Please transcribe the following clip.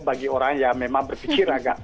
bagi orang yang memang berpikir agak